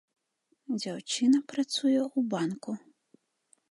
Дзяўчына працуе у банку.